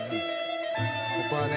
ここはね